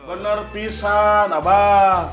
bener pisan abah